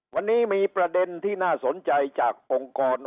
วันนี้มีประเด็นที่น่าสนใจจากองค์กร